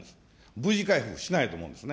Ｖ字回復しないと思うんですね。